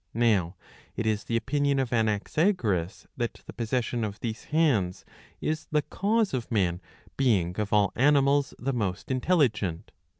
Now it is the opinion of Anaxagoras, that the possession of these hands is the cause of man being of all animals the most intelligent.